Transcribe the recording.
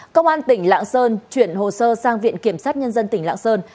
công an tỉnh lạng sơn chuyển hồ sơ sang viện kiểm sát nhân dân tỉnh lạng sơn